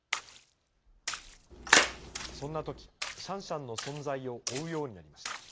そんなとき、シャンシャンの存在を追うようになりました。